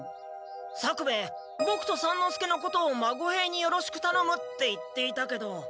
作兵衛ボクと三之助のことを孫兵に「よろしくたのむ」って言っていたけど。